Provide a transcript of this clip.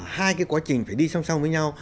hai cái quá trình phải đi song song với nhau